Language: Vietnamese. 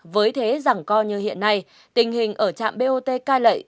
với thế giảng co như hiện nay tình hình ở trạm dot cai lệ